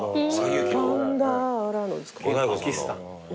パキスタン。